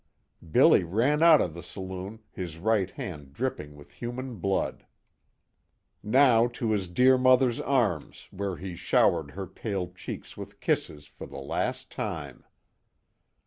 Billy ran out of the saloon, his right hand dripping with human blood. Now to his dear mother's arms, where he showered her pale cheeks with kisses for the last time.